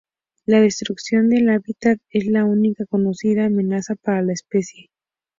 La destrucción del hábitat es la única conocida amenaza para la especie.